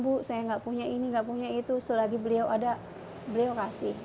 bu saya nggak punya ini gak punya itu selagi beliau ada beliau kasih